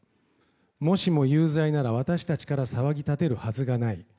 もしも有罪なら、私たちから騒ぎ立てるはずがない。